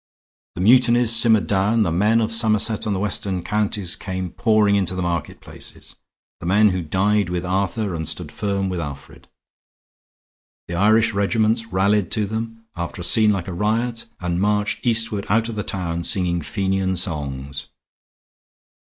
The mutinies simmered down; the men of Somerset and the western counties came pouring into the market places; the men who died with Arthur and stood firm with Alfred. The Irish regiments rallied to them, after a scene like a riot, and marched eastward out of the town singing Fenian songs.